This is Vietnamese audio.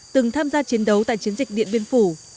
từng tham gia chiến đấu tại chiến dịch điện biên phủ